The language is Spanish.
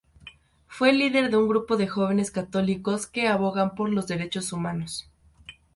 Fue líder de un grupo de jóvenes católicos que abogaban por los Derechos Humanos.